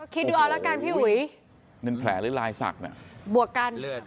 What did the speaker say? คิดดูเอาแล้วกันพี่หุยบวกกัน